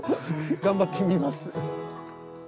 頑張ってみます。